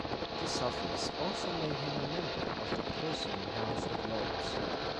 This office also made him a member of the Prussian House of Lords.